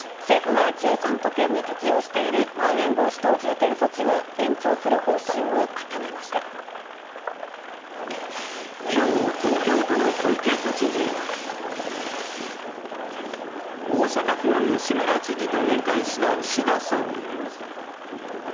政府は１３都県に適用しているまん延防止等重点措置を延長すきょう、東京都の小池都知事や大阪府の吉村知事と面会した岸田総理。